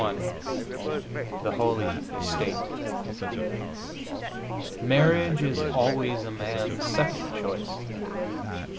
XXXI THE HOLY ESTATE Marriage is always a man's second choice.